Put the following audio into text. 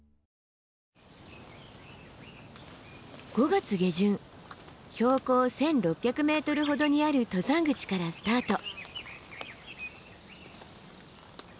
５月下旬標高１，６００ｍほどにある登山口からスタート。